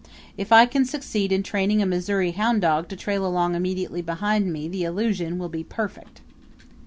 If I can succeed in training a Missouri hound dog to trail along immediately behind me the illusion will be perfect.